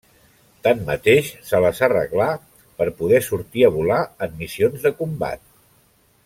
Tanmateix, se les arreglà per poder sortir a volar en missions de combat.